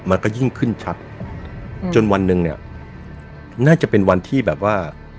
มันก็ยิ่งขึ้นชัดจนวันหนึ่งเนี่ยน่าจะเป็นวันที่แบบว่า